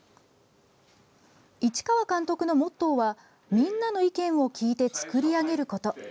市川監督のモットーはみんなの意見を聞いて作り上げること。